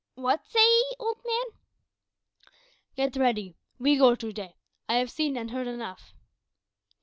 "What say 'ee, old man?" "Get ready. We go to day. I have seen and heard enough."